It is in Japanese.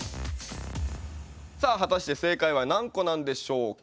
さあ果たして正解は何個なんでしょうか。